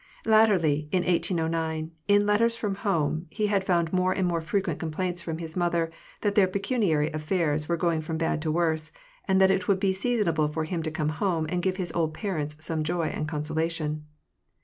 Latterly, in 1809, in letters from home, he had found more and more frequent complaints from his mother that their pecuniary affairs were going from bad to worse, and that it would be seasonable for him to come home and give his old parents some joy and consolation.